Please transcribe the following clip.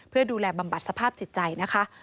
เพื่อดูแลบำบัดสภาพจิตใจนะคะ